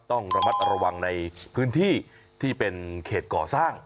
ต้องระมัดระวังในพื้นที่ที่เป็นเขตก่อสร้าง